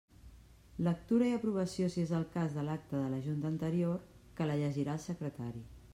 Lectura i aprovació si és el cas de l'acta de la junta anterior, que la llegirà el secretari.